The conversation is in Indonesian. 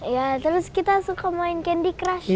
ya terus kita suka main candy crush ya